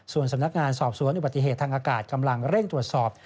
ส่วนสำนักงานสอบสวนอุบัติเหตุทางอากาศกำลังเร่งตรวจสอบ